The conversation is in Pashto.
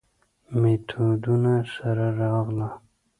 میتودونو سره راغله.